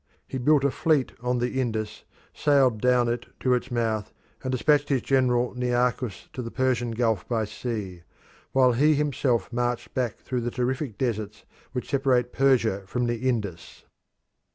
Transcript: He built a fleet on the Indus, sailed down it to its mouth, and dispatched his general Nearchus to the Persian Gulf by sea, while he himself marched back through the terrific deserts which separate Persian from the Indus.